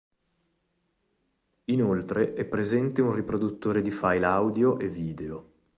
Inoltre è presente un riproduttore di file audio e video.